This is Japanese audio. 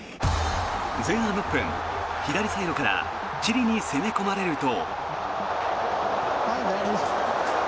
前半６分、左サイドからチリに攻め込まれると。